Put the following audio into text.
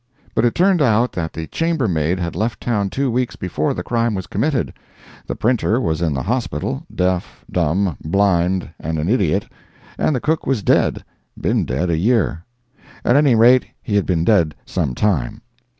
But it turned out that the chambermaid had left town two weeks before the crime was committed, the printer was in the hospital, deaf, dumb, blind and an idiot, and the cook was dead—been dead a year. At any rate he had been dead some time.